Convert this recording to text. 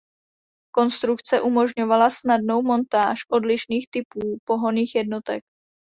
Konstrukce umožňovala snadnou montáž odlišných typů pohonných jednotek.